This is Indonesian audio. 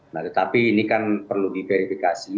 nah tetapi ini kan perlu diverifikasi